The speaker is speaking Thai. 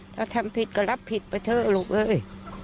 ถ้าทำผิดก็รับผิดไปเถอะลูกเอ้ย